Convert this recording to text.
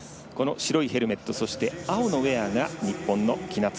白いヘルメットそして青のウェアが日本の喜納翼。